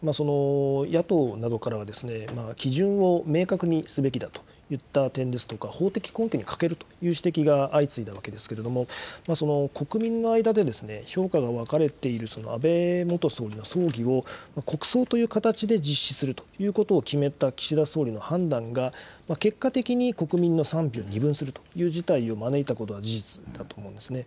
野党などからは、基準を明確にすべきだといった点ですとか、法的根拠に欠けるという指摘が相次いだわけですけれども、国民の間で評価が分かれているその安倍元総理の葬儀を国葬という形で実施するということを決めた岸田総理の判断が、結果的に国民の賛否を二分するという事態を招いたことは事実だと思うんですね。